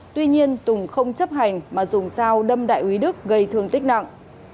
tuy nhiên tùng không chấp hành mà dùng dao đâm đại úy đức gây thương tích nặng